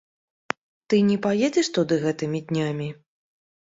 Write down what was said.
Ты не паедзеш туды гэтымі днямі?